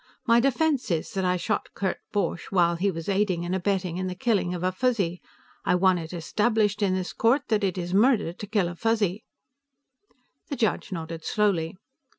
My defense is that I shot Kurt Borch while he was aiding and abetting in the killing of a Fuzzy. I want it established in this court that it is murder to kill a Fuzzy." The judge nodded slowly.